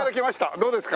どうですか？